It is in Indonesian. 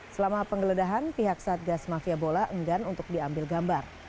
selama penggeledahan pihak satgas mafia bola enggan untuk diambil gambar